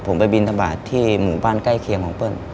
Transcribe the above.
ผมไปบินทบาทที่หมู่บ้านใกล้เคียงของเปิ้ล